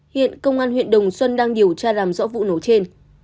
hiện công an huyện đồng xuân đang điều tra làm rõ vụ nổ trên